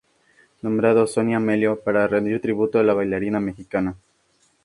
Nombrado "Sonia Amelio" para rendir tributo a la bailarina mexicana.